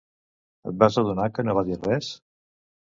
Et vas adonar que no va dir res?